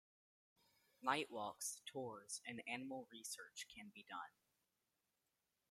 Night walks, tours and animal research can be done.